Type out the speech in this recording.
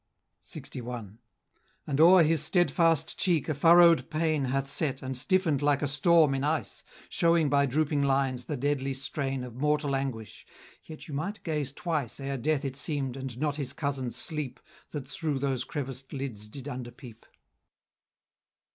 LXI. And o'er his steadfast cheek a furrow'd pain Hath set, and stiffened like a storm in ice, Showing by drooping lines the deadly strain Of mortal anguish; yet you might gaze twice Ere Death it seem'd, and not his cousin, Sleep, That through those creviced lids did underpeep.